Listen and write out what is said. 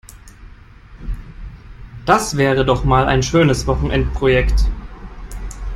Das wäre doch mal ein schönes Wochenendprojekt!